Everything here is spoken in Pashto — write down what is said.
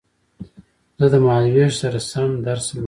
زه د مهال وېش سره سم درس لولم